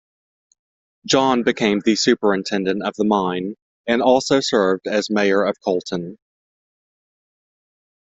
John became the superintendent of the mine, and also served as mayor of Coalton.